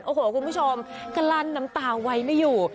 โอ้โหคุณผู้ชมกลั้นน้ำตาไว้ไม่อยู่